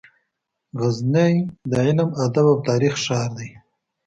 غزني د علم، ادب او تاریخ ښار دی.